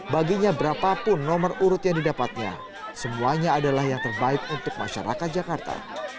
baginya berapapun nomor urut yang didapatnya semuanya adalah yang terbaik untuk masyarakat jakarta